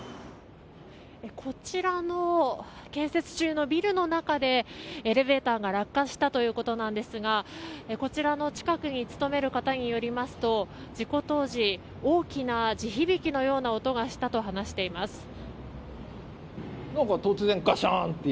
こちらの建設中のビルの中でエレベーターが落下したということなんですがこちらの近くに勤める方によりますと事故当時大きな地響きのような音がしたと話しています。